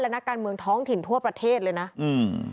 นักการเมืองท้องถิ่นทั่วประเทศเลยนะอืม